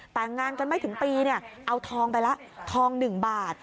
แต่งานกันไม่ถึงปีเอาทองได้แล้วทองหนึ่งบาท